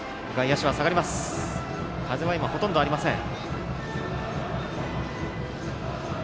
風は今、ほとんどありません。